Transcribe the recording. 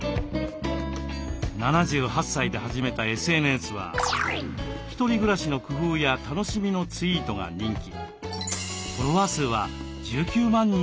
７８歳で始めたＳＮＳは独り暮らしの工夫や楽しみのツイートが人気。